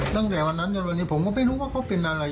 ตั้งแต่วันนั้นจนวันนี้ผมก็ไม่รู้ว่าเขาเป็นอะไร